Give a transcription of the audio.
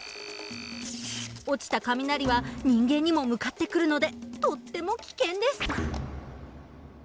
落ちた雷は人間にも向かってくるのでとっても危険です。